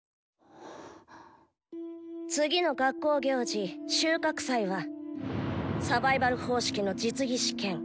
次の学校行事「収穫祭」はサバイバル方式の実技試験